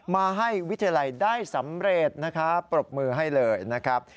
มาให้วิทยาลัยได้สำเร็จนะครับปรบมือให้เลยนะครับ